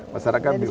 masyarakat di laut